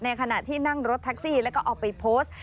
ขณะที่นั่งรถแท็กซี่แล้วก็เอาไปโพสต์